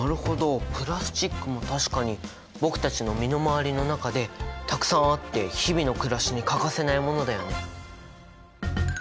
プラスチックも確かに僕たちの身の回りの中でたくさんあって日々のくらしに欠かせないものだよね。